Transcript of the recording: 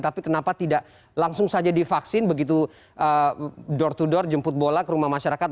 tapi kenapa tidak langsung saja divaksin begitu door to door jemput bola ke rumah masyarakat